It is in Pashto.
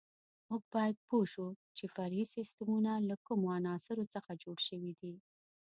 موږ باید پوه شو چې فرعي سیسټمونه له کومو عناصرو څخه جوړ شوي دي.